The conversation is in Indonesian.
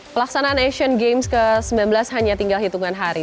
pelaksanaan asian games ke sembilan belas hanya tinggal hitungan hari